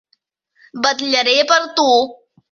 Vetllaré per tu.